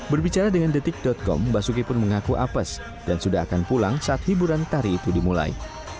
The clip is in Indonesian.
berbicara dengan detik com basuki pun mengaku apes dan sudah akan pulang saat hiburan tari itu dimulai